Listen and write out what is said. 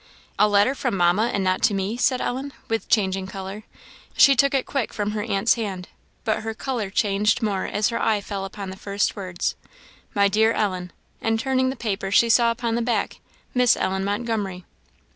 "A letter from Mamma, and not to me!" said Ellen, with changing colour. She took it quick from her aunt's hand. But her colour changed more as her eye fell upon the first words, "My dear Ellen," and turning the paper, she saw upon the back, "Miss Ellen Montgomery."